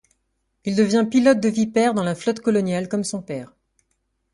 Il devient pilote de Viper dans la flotte coloniale comme son père.